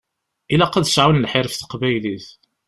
Ilaq ad sɛun lḥir ɣef teqbaylit.